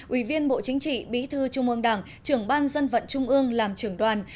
ủy viên bộ chính trị bí thư trung ương đảng trưởng ban dân vận trung ương làm trưởng đoàn